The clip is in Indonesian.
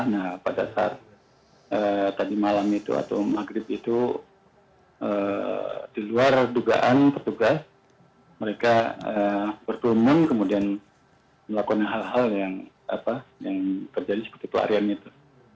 nah pada saat tadi malam itu atau maghrib itu di luar dugaan petugas mereka berkerumun kemudian melakukan hal hal yang terjadi seperti pelarian itu